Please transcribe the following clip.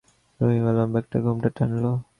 রহিমা লম্বা একটা ঘোমটা টানল।